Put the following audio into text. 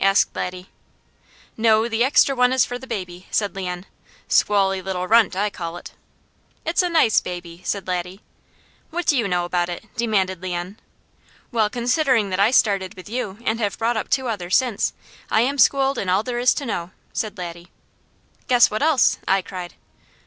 asked Laddie. "No, the extra one is for the baby," said Leon. "Squally little runt, I call it." "It's a nice baby!" said Laddie. "What do you know about it?" demanded Leon. "Well, considering that I started with you, and have brought up two others since, I am schooled in all there is to know," said Laddie. "Guess what else!" I cried.